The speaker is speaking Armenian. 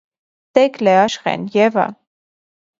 Թեկլե՛, Աշխե՛ն, Եվա՛…